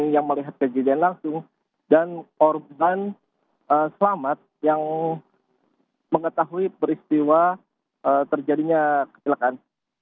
yang melihat kejadian langsung dan korban selamat yang mengetahui peristiwa terjadinya kecelakaan